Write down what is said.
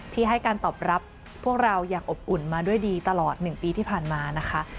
ที่ให้การตอบรับพวกเราอย่างอบอุ่นมาด้วยดีตลอด๑ปีที่ผ่านมานะคะ